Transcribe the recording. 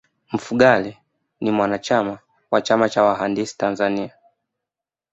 mfugale ni mwanachama wa chama cha wahandisi tanzania